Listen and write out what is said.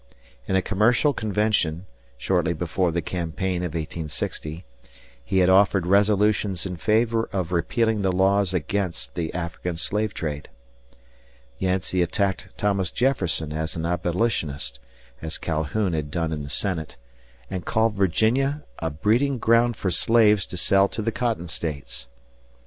In a commercial convention, shortly before the campaign of 1860, he had offered resolutions in favor of repealing the laws against the African slave trade. Yancey attacked Thomas Jefferson as an abolitionist, as Calhoun had done in the Senate, and called Virginia a breeding ground for slaves to sell to the Cotton States.